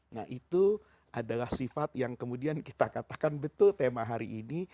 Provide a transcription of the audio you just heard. nah itu adalah sifat yang kemudian kita katakan betul tema hari ini